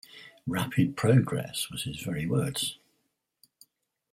‘Rapid progress’ was his very words.